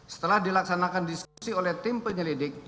setelah dilaksanakan diskusi oleh tim penyelidik